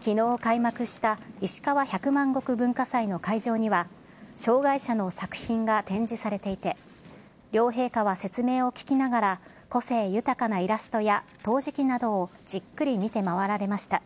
きのう開幕したいしかわ百万石文化祭の会場には、障害者の作品が展示されていて、両陛下は説明を聞きながら、個性豊かなイラストや陶磁器などをじっくり見て回られました。